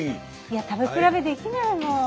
食べ比べできないもん。